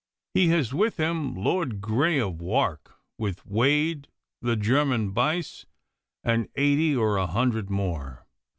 He has with him Lord Grey of Wark, with Wade, the German Buyse, and eighty or a hundred more.